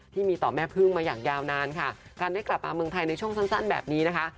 ที่มีต่อแม่พึ่งมาอย่างยาวนานค่ะการได้กลับมาเมืองไทยในช่วงสั้นแบบนี้นะคะ